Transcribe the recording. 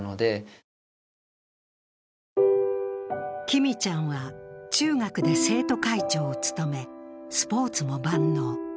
きみちゃんは中学で生徒会長を務め、スポーツも万能。